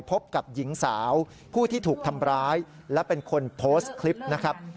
พบกับหญิงสาวผู้ที่ถูกทำร้ายและเป็นคนโพสต์คลิปนะครับ